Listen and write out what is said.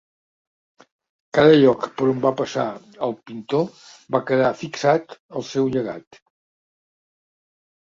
Cada lloc per on va passar el pintor va quedar fixat al seu llegat.